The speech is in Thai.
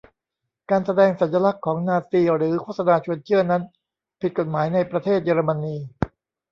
การแสดงสัญลักษณ์ของนาซีหรือโฆษณาชวนเชื่อนั้นผิดกฎหมายในประเทศเยอรมนี